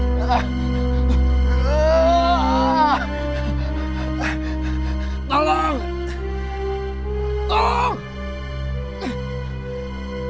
kayak ada yang ngikutin gua